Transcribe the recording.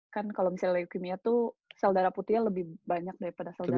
kan kalau misalnya leukemia itu sel darah putihnya lebih banyak daripada sel darah